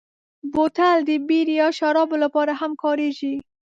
بوتل د بیر یا شرابو لپاره هم کارېږي.